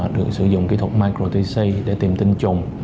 được sử dụng kỹ thuật micro test để tìm tinh trùng